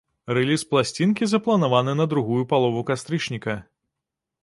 Рэліз пласцінкі запланаваны на другую палову кастрычніка.